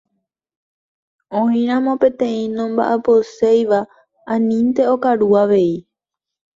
Oĩramo peteĩ nomba'aposéiva anínte okaru avei.